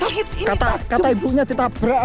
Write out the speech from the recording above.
kata ibunya kita berak